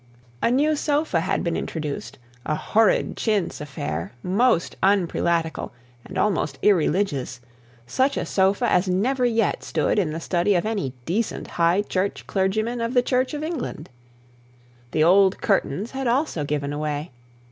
A new sofa had been introduced, and horrid chintz affair, most unprelatical and almost irreligious; such a sofa as never yet stood in the study of any decent high church clergyman of the Church of England. The old curtains had also given away.